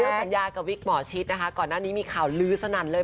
สัญญากับวิกหมอชิดนะคะก่อนหน้านี้มีข่าวลือสนั่นเลย